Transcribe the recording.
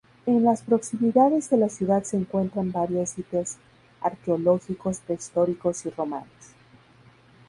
En las proximidades de la ciudad se encuentran varios sitios arqueológicos prehistóricos y romanos.